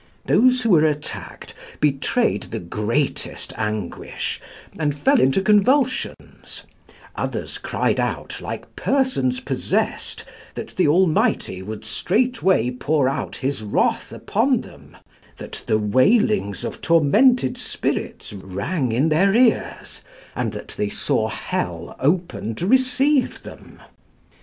Those who were attacked betrayed the greatest anguish, and fell into convulsions; others cried out, like persons possessed, that the Almighty would straightway pour out His wrath upon them, that the wailings of tormented spirits rang in their ears, and that they saw hell open to receive them.